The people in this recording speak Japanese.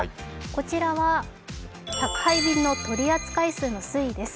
こちらは宅配便の取り扱い数の推移です。